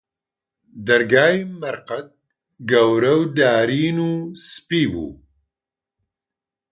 دەرگای مەرقەد، گەورە و دارین و سپی بوو